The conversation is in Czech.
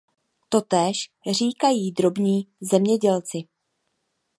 Totéž říkají drobní zemědělci.